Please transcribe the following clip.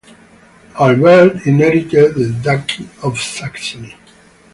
Albert inherited the Duchy of Saxony.